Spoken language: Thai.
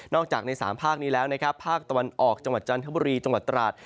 จากใน๓ภาคนี้แล้วนะครับภาคตะวันออกจังหวัดจันทบุรีจังหวัดตราด